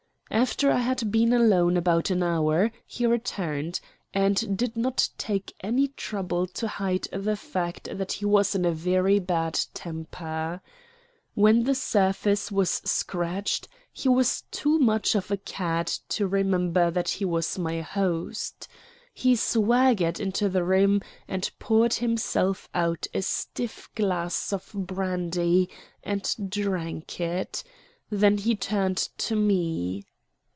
After I had been alone about an hour he returned, and did not take any trouble to hide the fact that he was in a very bad temper. When the surface was scratched, he was too much of a cad to remember that he was my host. He swaggered into the room and poured himself out a stiff glass of brandy and drank it. Then he turned to me.